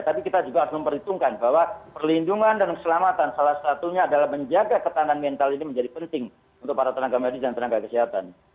tapi kita juga harus memperhitungkan bahwa perlindungan dan keselamatan salah satunya adalah menjaga ketahanan mental ini menjadi penting untuk para tenaga medis dan tenaga kesehatan